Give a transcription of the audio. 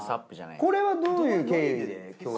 これはどういう経緯で共演。